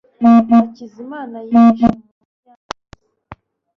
hakizimana yihishe munsi yameza